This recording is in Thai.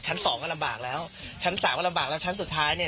สองก็ลำบากแล้วชั้นสามก็ลำบากแล้วชั้นสุดท้ายเนี่ย